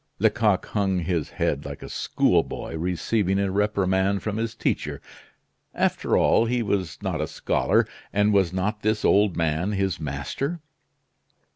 Lecoq hung his head like a schoolboy receiving a reprimand from his teacher. After all was he not a scholar, and was not this old man his master?